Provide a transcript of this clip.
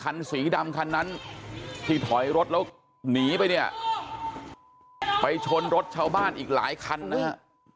คันสีดำคันนั้นที่ถอยรถแล้วหนีไปเนี่ยไปชนรถชาวบ้านอีกหลายคันนะฮะ